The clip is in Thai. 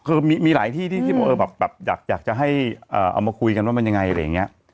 คือมีหลายที่ที่แบบอยากจะให้เอามาคุยกันว่ามันยังไงอะไรอย่างนี้